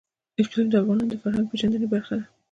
اقلیم د افغانانو د فرهنګي پیژندنې برخه ده.